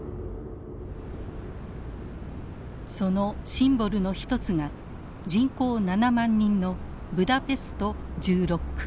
そのシンボルの一つが人口７万人のブダペスト１６区。